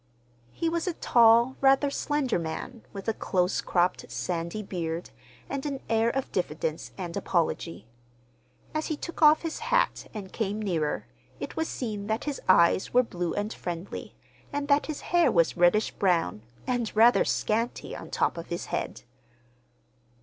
He was a tall, rather slender man, with a close cropped, sandy beard, and an air of diffidence and apology. As he took off his hat and came nearer, it was seen that his eyes were blue and friendly, and that his hair was reddish brown, and rather scanty on top of his head.